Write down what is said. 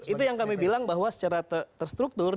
itu yang kami bilang bahwa secara terstruktur